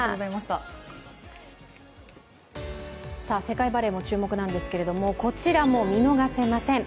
世界バレーも注目なんですけれども、こちらも見逃せません。